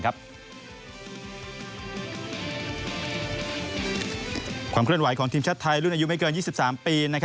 ความเคลื่อนไหวของทีมชาติไทยรุ่นอายุไม่เกิน๒๓ปี